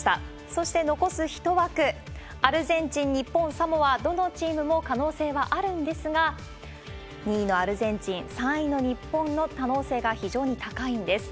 そして残す１枠、アルゼンチン、日本、サモア、どのチームも可能性はあるんですが、２位のアルゼンチン、３位の日本の可能性が非常に高いんです。